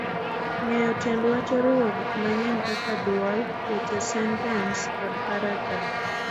Ng'eyo tiend wach oriwo gik mang'eny kaka dwol, weche, sentens, kod paragraf.